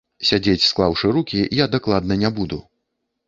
Сядзець склаўшы рукі я дакладна не буду.